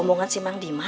jangan cuma cinta dia